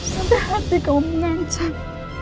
sederhati kau mengancam